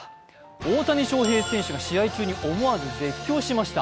大谷翔平選手が試合中に思わず絶叫しました。